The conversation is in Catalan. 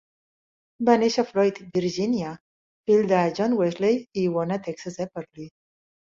Va néixer a Floyd, Virginia, fill de John Wesley i d'Iowa Texas Epperly.